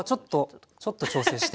ちょっと調整して。